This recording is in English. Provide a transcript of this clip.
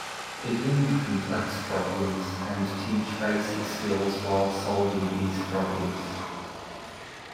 Begin with complex problems and teach basic skills while solving these problems.